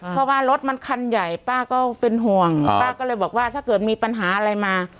เพราะว่ารถมันคันใหญ่ป้าก็เป็นห่วงป้าก็เลยบอกว่าถ้าเกิดมีปัญหาอะไรมา